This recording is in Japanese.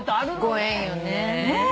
ご縁よね。